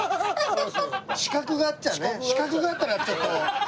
死角があったらちょっと。